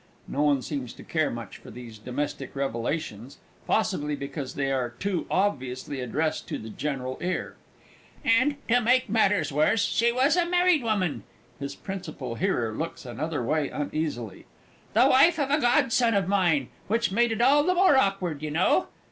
(No one seems to care much for these domestic revelations possibly because they are too obviously addressed to the general ear). And, to make matters worse, she was a married woman (his principal hearer looks another way uneasily) the wife of a godson of mine, which made it all the more awkward, y'know.